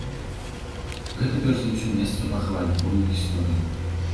Гэта перш за ўсё месца пахавання, помнік гісторыі.